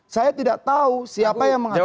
saya tidak tahu siapa yang mengatakan